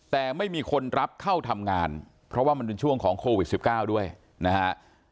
แต่ไม่มีคนรับเข้าทำงานเพราะว่ามันเป็นช่วงของโควิด๑๙ด้วยนะฮะ